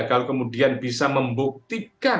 kalau kemudian bisa membuktikan